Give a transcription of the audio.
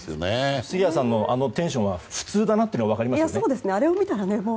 杉谷さんのあのテンションが普通だなって分かりますね。